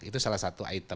itu salah satu